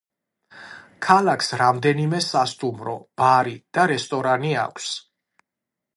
ქალაქს რამდენიმე სასტუმრო, ბარი და რესტორანი აქვს.